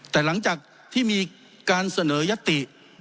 แต่หลังจากที่มีการเสนอยัตติ